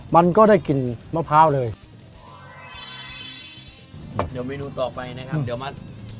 มันก็ได้กลิ่นมะพร้าวเลยเดี๋ยวเมนูต่อไปนะครับเดี๋ยวมา